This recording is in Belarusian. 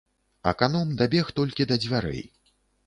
Аканом дабег толькі да дзвярэй.